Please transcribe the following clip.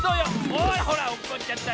ほらほらおっこっちゃった。